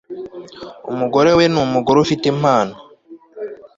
Umugore we ni umugore ufite impano